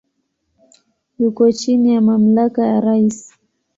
Yuko chini ya mamlaka ya rais.